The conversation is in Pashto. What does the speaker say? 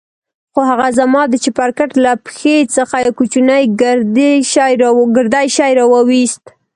خو هغه زما د چپرکټ له پښې څخه يو کوچنى ګردى شى راوايست.